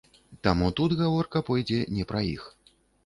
Таму тут гаворка пойдзе не пра іх.